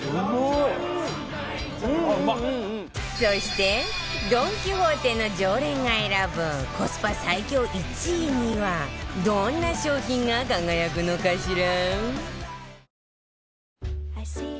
そしてドン・キホーテの常連が選ぶコスパ最強１位にはどんな商品が輝くのかしら？